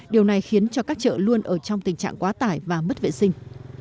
điều này khiến cho các chợ luôn ở trong tình trạng quá tải và mất vệ sinh